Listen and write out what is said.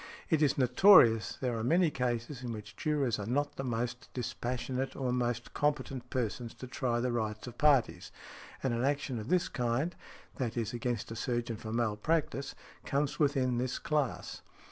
"It is notorious there are many cases in which jurors are not the most dispassionate or most competent persons to try the rights of parties, and an action of this kind (i. e., against a surgeon for malpractice) comes within this class.